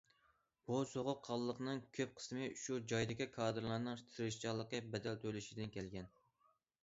بۇ سوغۇق قانلىقنىڭ كۆپ قىسمى شۇ جايدىكى كادىرلارنىڭ تىرىشچانلىقى، بەدەل تۆلىشىدىن كەلگەن.